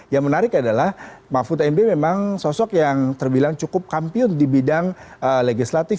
yang menarik adalah mahfud md memang sosok yang terbilang cukup kampiun di bidang legislatif